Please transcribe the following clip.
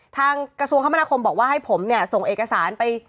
กระทรวงคมนาคมบอกว่าให้ผมเนี่ยส่งเอกสารไป